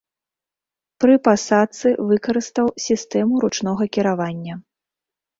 Пры пасадцы выкарыстаў сістэму ручнога кіравання.